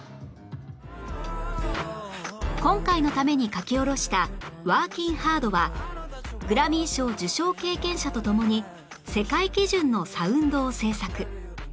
今回のために書き下ろした『Ｗｏｒｋｉｎ’Ｈａｒｄ』はグラミー賞受賞経験者と共に世界基準のサウンドを制作